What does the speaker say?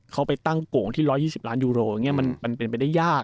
เขาไปตั้งโกงที่ร้อยยี่สิบล้านยูโรอ่ะอย่างเงี้ยมันมันเป็นไปได้ยาก